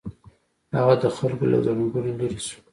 هغه د خلکو له ګڼې ګوڼې لرې شو.